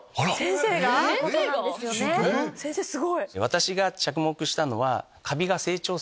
私が着目したのは。